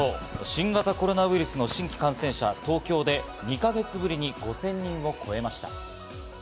新型コロナウイルスの新規感染者が東京で２か月ぶりに５０００人を超えました。